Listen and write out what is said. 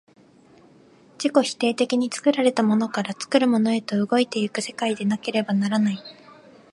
自己否定的に作られたものから作るものへと動いて行く世界でなければならない。